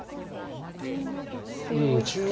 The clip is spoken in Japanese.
ここにノビておいて。